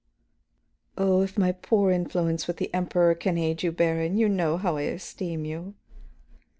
"Oh, if my poor influence with the Emperor can aid you, Baron! You know how I esteem you."